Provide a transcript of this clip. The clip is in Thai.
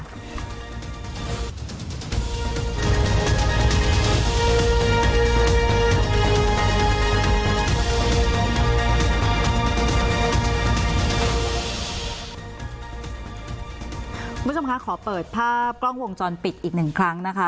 คุณผู้ชมคะขอเปิดภาพกล้องวงจรปิดอีกหนึ่งครั้งนะคะ